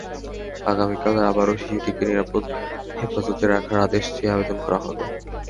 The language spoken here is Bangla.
আগামীকাল আবারও শিশুটিকে নিরাপদ হেফাজতে রাখার আদেশ চেয়ে আবেদন করা হবে।